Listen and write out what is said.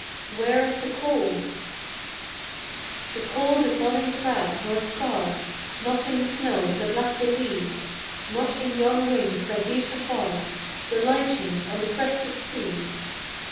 " Where is the cold ?. The cold is not in crag, nor scar, Not in the snows that lap the lea, Not in yon wings that beat afar, Delighting, on the crested sea.